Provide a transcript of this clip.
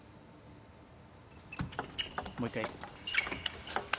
もう１回。